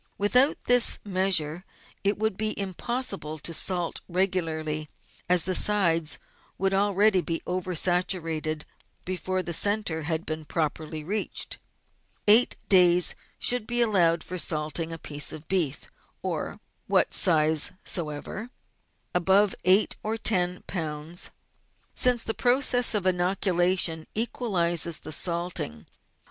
With out this measure it would be impossible to salt regularly, as the sides would already be over saturated before the centre had even been properly reached. Eight days should be allowed for salting a piece of beef of what size soever, above eight or ten lb., since the process of inoculation equalises the salting.